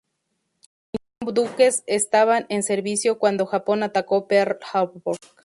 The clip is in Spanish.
Veintiún buques estaban en servicio cuando Japón atacó Pearl Harbor.